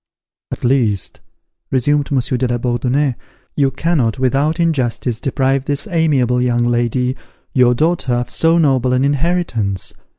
"At least," resumed Monsieur de la Bourdonnais, "you cannot without injustice, deprive this amiable young lady, your daughter, of so noble an inheritance.